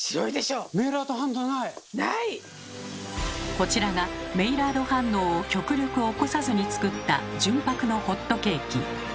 こちらがメイラード反応を極力起こさずに作った純白のホットケーキ。